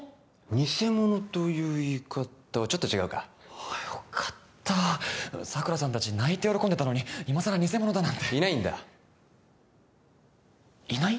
ニセモノという言い方はちょっと違うかああよかった桜さん達泣いて喜んでたのに今さらニセモノだなんていないんだいない？